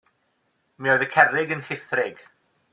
Mi oedd y cerrig yn llithrig.